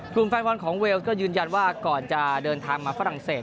แฟนบอลของเวลก็ยืนยันว่าก่อนจะเดินทางมาฝรั่งเศส